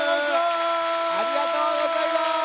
ありがとうございます。